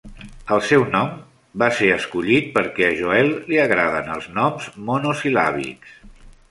El seu nom va ser escollit perquè a Joel li agraden els noms monosil·làbics.